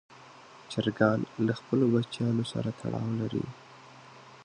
چرګان له خپلو بچیانو سره تړاو لري.